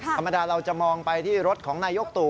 ธรรมดาเราจะมองไปที่รถของนายกตู่